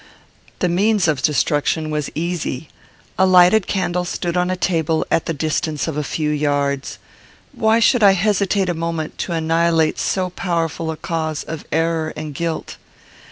The means of destruction was easy. A lighted candle stood on a table, at the distance of a few yards. Why should I hesitate a moment to annihilate so powerful a cause of error and guilt?